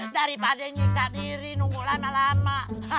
daripada nyiksa diri nunggu lama lama